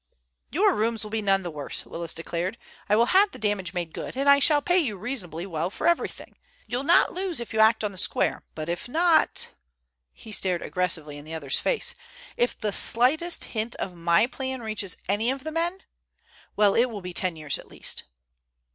"Your rooms will be none the worse," Willis declared. "I will have the damage made good, and I shall pay you reasonably well for everything. You'll not lose if you act on the square, but if not—" he stared aggressively in the other's face—"if the slightest hint of my plan reaches any of the men—well, it will be ten years at least."